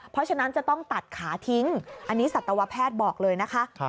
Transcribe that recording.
เพราะฉะนั้นจะต้องตัดขาทิ้งอันนี้สัตวแพทย์บอกเลยนะคะ